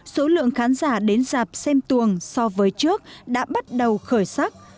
số lượng khán giả đến dạp xem tuồng so với trước đã bắt đầu khởi sắc